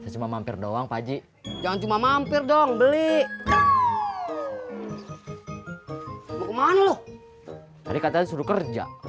cuma mampir doang paji jangan cuma mampir dong beli loh tadi katanya suruh kerja